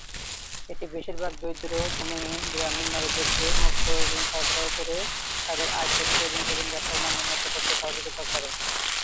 এটি বেশিরভাগ দরিদ্র, ভূমিহীন, গ্রামীণ নারীদেরকে মুক্ত ঋণ সরবরাহ করে তাদের আয় করতে এবং জীবনযাত্রার মান উন্নত করতে সহযোগিতা করে।